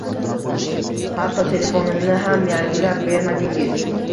Hatto telefonimni ham yangilab bermadingiz